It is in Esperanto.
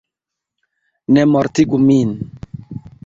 Ne mortigu min!